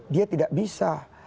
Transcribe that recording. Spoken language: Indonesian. dia tidak bisa